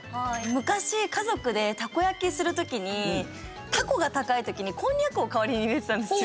昔、家族でたこ焼きするときにたこが高いときに、こんにゃくを代わりに入れていたんですよ。